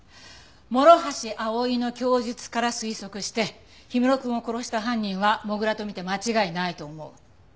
諸橋葵の供述から推測して氷室くんを殺した犯人は土竜とみて間違いないと思う。